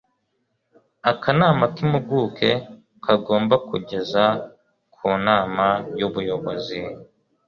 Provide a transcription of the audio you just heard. akanama k'impuguke kagomba kugeza ku nama y'ubuyobozi